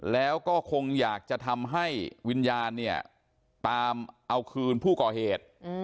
แล้วก็คงอยากจะทำให้วิญญาณเนี่ยตามเอาคืนผู้ก่อเหตุ